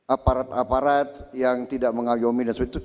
aparat aparat yang tidak mengayomi dan sebagainya